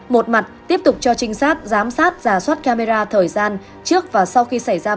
một mặt tiếp tục cho trinh sát giám sát ra soát camera thời gian trước và sau khi đối tượng gây án